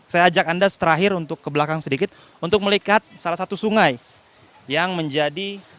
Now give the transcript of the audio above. saya ajak anda seterahir untuk ke belakang sedikit untuk melihat salah satu sungai yang menjadi